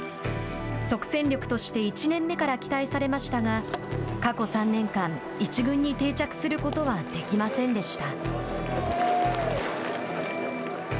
即戦力として１年目から期待されましたが過去３年間１軍に定着することはできませんでした。